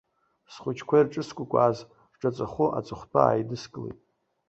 Схәыҷқәа ирҿыскәкәааз рҿаҵахәы аҵыхәтәа ааидыскылеит.